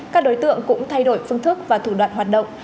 các đối tượng cũng thay đổi phương thức và thủ đoạn hoạt động